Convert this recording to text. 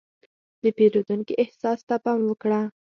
د پیرودونکي احساس ته پام وکړه.